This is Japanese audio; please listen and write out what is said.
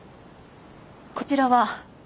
こちらは？